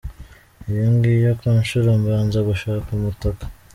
Iyo ngiye ku ishuri mbanza gushaka umutaka.